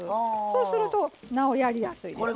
そうするとなおやりやすいですね。